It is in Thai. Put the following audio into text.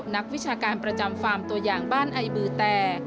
นักวิชาการประจำฟาร์มตัวอย่างบ้านไอบือแต่